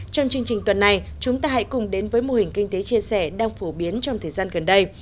trong chương trình tuần này chúng ta hãy cùng đến với mô hình kinh tế chia sẻ đang phổ biến trong thời gian gần đây